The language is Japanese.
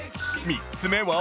３つ目は